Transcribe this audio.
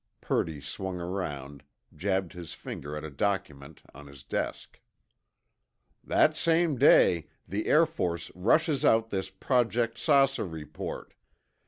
Purdy swung around, jabbed his finger at a document on. his desk. "That same day, the Air Force rushes out this Project 'Saucer' report.